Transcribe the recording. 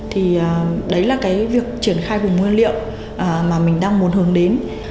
thì đấy là cái việc triển khai vùng nguyên liệu mà mình đang muốn hướng đến